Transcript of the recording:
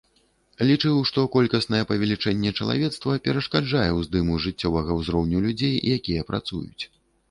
Лічыў, што колькаснае павелічэнне чалавецтва перашкаджае ўздыму жыццёвага ўзроўню людзей, якія працуюць.